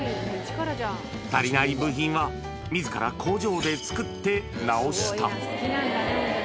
足りない部品は、みずから工場で作って直した。